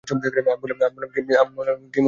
আমি বলিলাম, কী মনু, তোদের খবর কী?